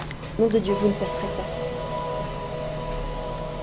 Nom de Dieu ! vous ne passerez pas !…